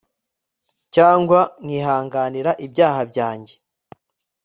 cyangwa nkihanganira ibyaha byanjye